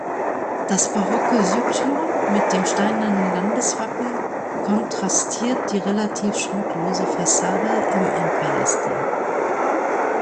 Das barocke Südtor mit dem steinernen Landeswappen kontrastiert die relativ schmucklose Fassade im Empirestil.